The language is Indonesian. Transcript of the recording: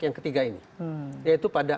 yang ketiga ini yaitu pada